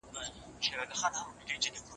څوک کولی سي د اقتصادي پرمختيا روښانه تعريف وکړي؟